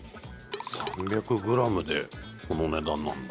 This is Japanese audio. ３００グラムでこの値段なんだ。